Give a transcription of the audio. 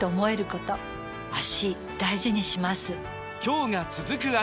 今日が、続く脚。